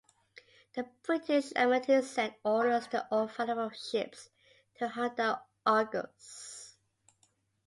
The British Admiralty sent orders to all available ships to hunt down "Argus".